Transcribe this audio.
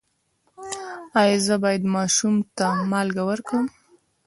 ایا زه باید ماشوم ته مالګه ورکړم؟